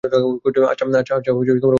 আচ্ছা, ওখানে দেখা হবে।